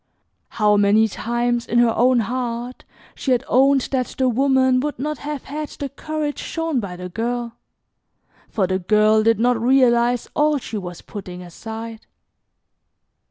How many times in her own heart she had owned that the woman would not have had the courage shown by the girl, for the girl did not realize all she was putting aside.